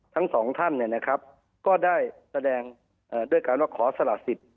ทั้งสองท่านเนี่ยนะครับก็ได้แสดงด้วยการว่าขอสลักศิษย์